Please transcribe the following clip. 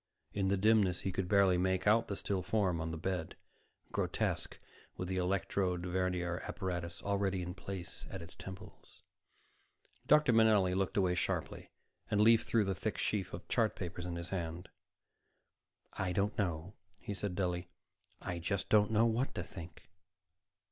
In the dimness, he could barely make out the still form on the bed, grotesque with the electrode vernier apparatus already in place at its temples. Dr. Manelli looked away sharply, and leafed through the thick sheaf of chart papers in his hand. "I don't know," he said dully. "I just don't know what to think."